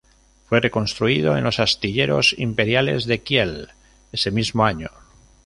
Fue reconstruido en los astilleros imperiales de Kiel ese mismo año.